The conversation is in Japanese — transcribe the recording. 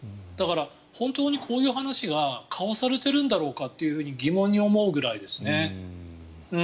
だから、本当にこういう話が交わされているんだろうかって疑問に思うぐらいですね。